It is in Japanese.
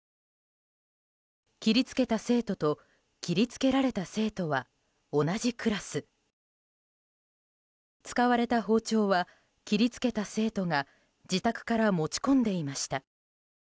切り付けた生徒と切り付けられた生徒は同じクラス。使われた包丁は切り付けた生徒が自宅から持ち込んでいました。